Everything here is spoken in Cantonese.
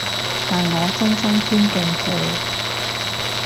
但我真心尊敬佢